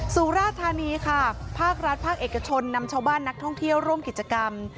สุราธานีค่ะภาครัฐภาคเอกชนนำชาวบ้านนักท่องเที่ยวร่วมกิจกรรม